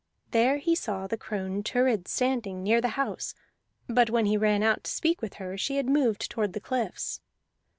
There he saw the crone Thurid standing, near the house; but when he ran out to speak with her, she had moved toward the cliffs.